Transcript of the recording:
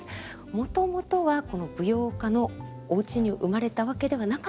もともとは舞踊家のおうちに生まれたわけではなかった？